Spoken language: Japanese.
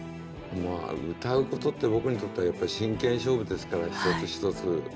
歌うことって僕にとってはやっぱり真剣勝負ですから一つ一つ。